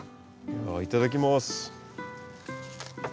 いただきます。